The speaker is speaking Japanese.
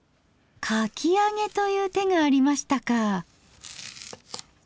「かき揚げ」という手がありましたか。